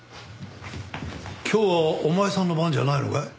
今日はお前さんの番じゃないのかい？